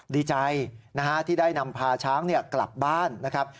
ดีใจนะฮะที่ได้นำพาช้างกลับบ้านนะครับ